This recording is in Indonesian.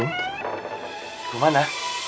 rum rum mana